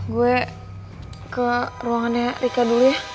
gue ke ruangannya rika dulu ya